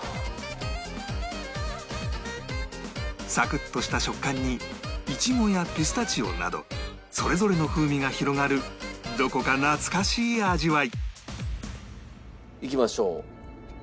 サクッとした食感にイチゴやピスタチオなどそれぞれの風味が広がるどこか懐かしい味わいいきましょう。